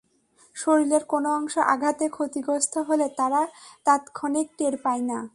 শরীরের কোনো অংশ আঘাতে ক্ষতিগ্রস্ত হলে তারা তাৎক্ষণিক টের পায় না।